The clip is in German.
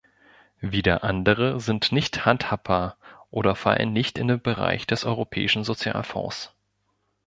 Wieder andere sind nicht handhabbar oder fallen nicht in den Bereich des Europäischen Sozialfonds.